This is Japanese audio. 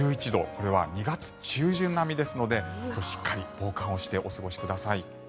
これは２月中旬並みですのでしっかり防寒をしてお過ごしください。